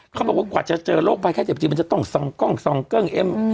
เขาบอกว่ากว่าจะเจอโรคภัยไข้เจ็บจริงมันจะต้องส่องกล้องส่องเกิ้งเอ็ม